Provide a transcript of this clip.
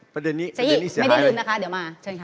ประเด็นนี้เสียหายเลย